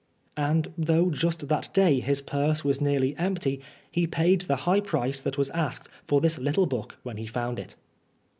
And though just that day his purse was nearly empty, he paid the high price that was asked for this little book when he found it.